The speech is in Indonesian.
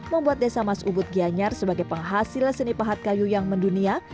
membuat desa mas ubud gianyar sebagai penghasil seni pahat kayu yang mendunia